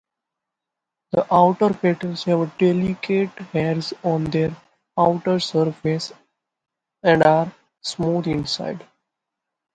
The outer petals have delicate hairs on their outer surface and are smooth inside.